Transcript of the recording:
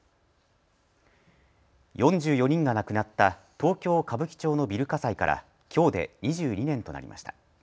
４４人が亡くなった東京歌舞伎町のビル火災からきょうで２２年となりました。